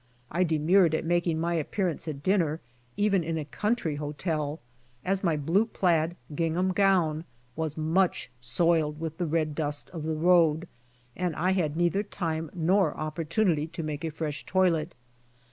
I demurred at makingi my appearance at dinner, even in a country hotel, as my blue plaid gingham gown was much soiled with the red dust of the road, and I had neither time nor opportunity to make a fresh toilet.